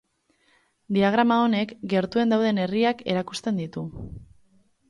Diagrama honek gertuen dauden herriak erakusten ditu.